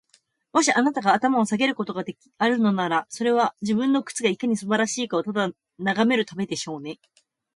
もし、あなたが頭を下げることがあるのなら、それは、自分の靴がいかに素晴らしいかをただ眺めるためでしょうね。